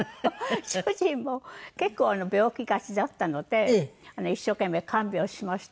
主人も結構病気がちだったので一生懸命看病しましたけど。